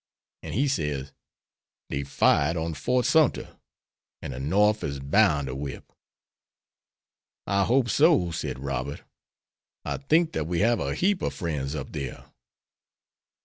An' he says: 'Dey've fired on Fort Sumter, an' de Norf is boun' to whip.'" "I hope so," said Robert. "I think that we have a heap of friends up there."